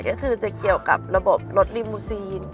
ก็คือจะเกี่ยวกับระบบรถริมูซีน